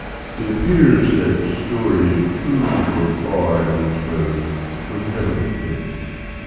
It appears that the story, true as far as it goes, was never finished.